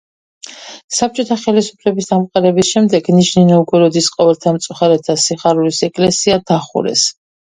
საბჭოთა ხელისუფლების დამყარების შემდეგ ნიჟნი-ნოვგოროდის ყოველთა მწუხარეთა სიხარულის ეკლესია დახურეს.